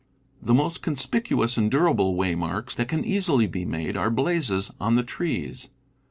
The most con spicuous and durable waymarks that can easily be made are blazes on the trees.